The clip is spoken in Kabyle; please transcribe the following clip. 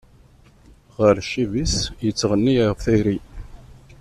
Ɣer ccib-is, yettɣenni ɣef tayri.